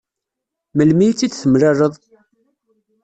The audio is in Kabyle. Melmi i tt-id-temlaleḍ?